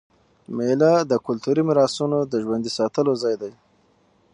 مېله د کلتوري میراثونو د ژوندي ساتلو ځای دئ.